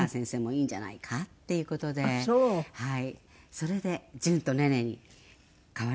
それで「じゅん＆ネネ」に変わりました。